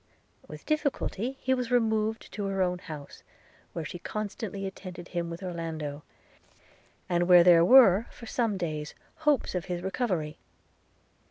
– With difficulty he was removed to her own house, where she constantly attended him, with Orlando, and where there were, for some days, hopes of his recovery.